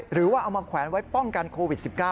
หรือว่าเอามาแขวนไว้ป้องกันโควิด๑๙